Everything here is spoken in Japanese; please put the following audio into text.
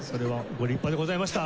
ご立派でございました。